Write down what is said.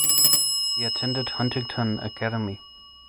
He attended Huntington Academy.